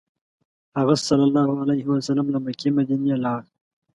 هغه ﷺ له مکې مدینې ته لاړ.